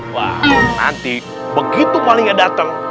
wah nanti begitu walinya datang